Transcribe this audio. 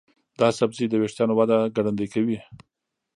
دا سبزی د ویښتانو وده ګړندۍ کوي.